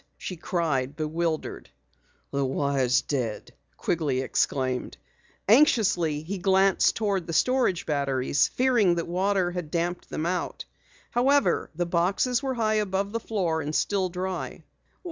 she cried, bewildered. "The wire's dead!" Quigley exclaimed. Anxiously he glanced toward the storage batteries, fearing that water had damped them out. However, the boxes were high above the floor and still dry.